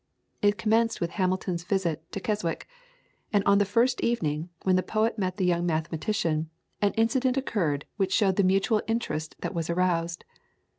It commenced with Hamilton's visit to Keswick; and on the first evening, when the poet met the young mathematician, an incident occurred which showed the mutual interest that was aroused.